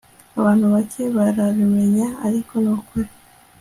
abantu bake barabimenya, ariko nukuri